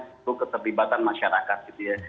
butuh keterlibatan masyarakat